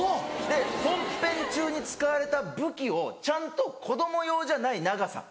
で本編中に使われた武器をちゃんと子供用じゃない長さ。